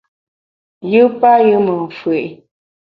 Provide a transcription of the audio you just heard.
Yù payù me mfù’i.